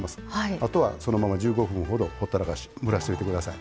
あとは、そのまま１５分ぐらいほったらかし蒸らしておいてください。